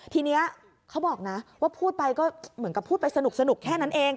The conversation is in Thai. ทีนี้เขาบอกนะว่าพูดไปก็เหมือนกับพูดไปสนุกแค่นั้นเอง